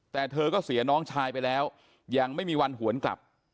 แต่เธอก็เสียน้องชายไปแล้วยังไม่มีวันหวนกลับ